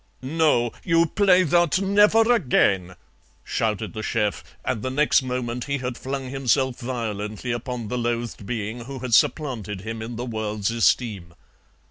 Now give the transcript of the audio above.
"'Noh! You play thot never again,' shouted the CHEF, and the next moment he had flung himself violently upon the loathed being who had supplanted him in the world's esteem.